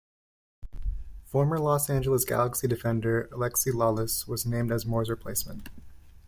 Former Los Angeles Galaxy defender Alexi Lalas was named as Moore's replacement.